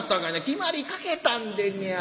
「決まりかけたんでんねや。